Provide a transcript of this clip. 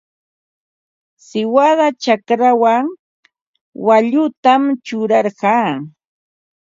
Siwada chakrachaw waallutam churarqaa.